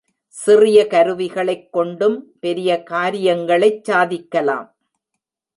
சிறிய கருவிகளைக் கொண்டும் பெரிய காரியங்களைச் சாதிக்கலாம்.